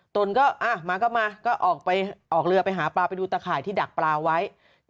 ตนก็มาก็มาก็ออกไปออกเรือไปหาปลาไปดูตะข่ายที่ดักปลาไว้